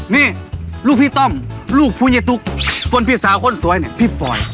นี่ลูกพี่ต้อมลูกผุญตุกคนเพียสาวคนสวยเนี้ยพี่ปอย